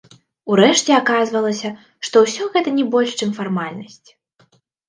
Урэшце аказвалася, што ўсё гэта не больш, чым фармальнасць.